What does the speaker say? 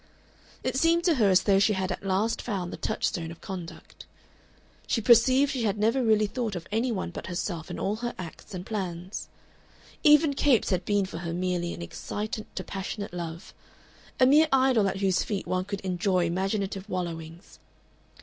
It seemed to her as though she had at last found the touchstone of conduct. She perceived she had never really thought of any one but herself in all her acts and plans. Even Capes had been for her merely an excitant to passionate love a mere idol at whose feet one could enjoy imaginative wallowings.